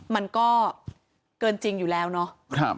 มันก็เกินจริงอยู่แล้วเนาะ